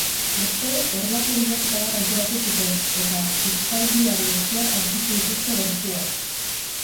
Atzo horrelako bilaketa bat antolatu zuten eta urtzaldiari esker aurkitu dituzte gorpuak.